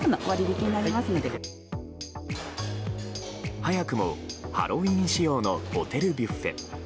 早くもハロウィーン仕様のホテルビュッフェ。